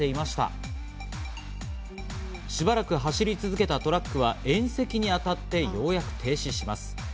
しばらく走り続けたトラックは縁石に当たってようやく停止します。